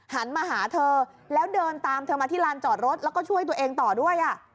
หันมาหาเธอแล้วเดินตามเธอมาที่ลานจอดรถแล้วก็ช่วยตัวเองต่อด้วย